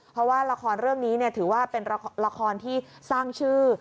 เพราะว่าละครเรื่องนี้ถือว่าเป็นละครที่สร้างชื่อ